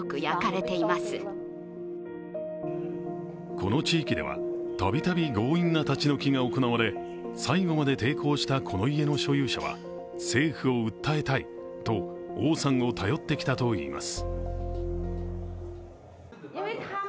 この地域で度々、強引な立ち退きが行われ、最後まで抵抗したこの家の所有者は、政府を訴えたいと王さんを頼ってきたといいます。